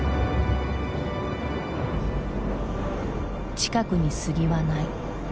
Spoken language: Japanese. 近くに杉はない。